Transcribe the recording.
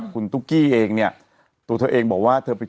คุณตุ๊กกี้เองเนี่ยตัวเธอเองบอกว่า